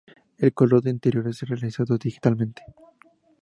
El color de interiores es realizado digitalmente.